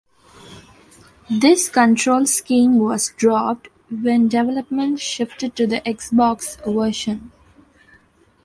This control-scheme was dropped when development shifted to the Xbox version.